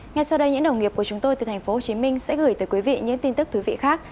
ngay sau đây những đồng nghiệp của chúng tôi từ thành phố hồ chí minh sẽ gửi tới quý vị những tin tức thú vị khác